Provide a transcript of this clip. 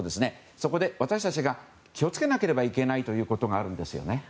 そこで私たちが気を付けなければいけないことがあるんですね。